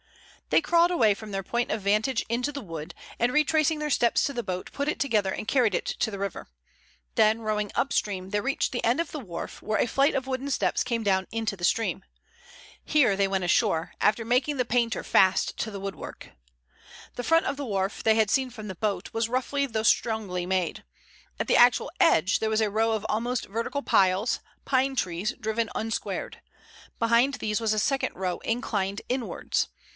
They crawled away from their point of vantage into the wood, and retracing their steps to the boat, put it together and carried it to the river. Then rowing up stream, they reached the end of the wharf, where a flight of wooden steps came down into the stream. Here they went ashore, after making the painter fast to the woodwork. The front of the wharf, they had seen from the boat, was roughly though strongly made. At the actual edge, there was a row of almost vertical piles, pine trees driven unsquared. Behind these was a second row, inclined inwards.